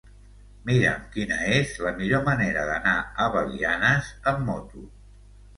Mira'm quina és la millor manera d'anar a Belianes amb moto.